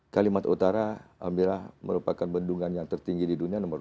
kalimantan utara alhamdulillah merupakan bendungan yang tertinggi di dunia nomor dua